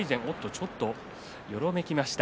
ちょっとよろめきました。